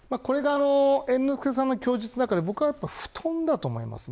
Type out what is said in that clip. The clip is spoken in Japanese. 猿之助さんの供述の中で、僕はやっぱり布団だと思います。